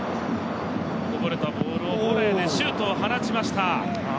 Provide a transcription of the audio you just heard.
こぼれたボールをシュートを放ちました。